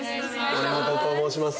森本と申します。